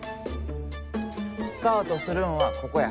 スタートするんはここや。